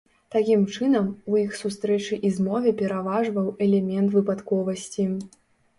Такім чынам, у іх сустрэчы і змове пераважваў элемент выпадковасці.